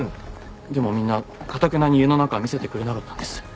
でもみんなかたくなに家の中は見せてくれなかったんです。